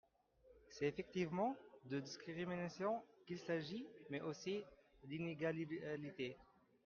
C’est effectivement de discrimination qu’il s’agit, mais aussi d’inégalités.